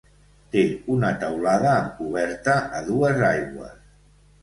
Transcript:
Té una teulada amb coberta a dues aigües.